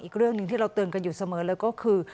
อีกเรื่องหนึ่งที่เราเตือนกันอยู่เสมอเลยก็คือ